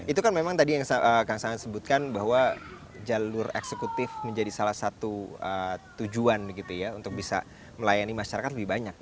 itu kan memang tadi yang kang saan sebutkan bahwa jalur eksekutif menjadi salah satu tujuan gitu ya untuk bisa melayani masyarakat lebih banyak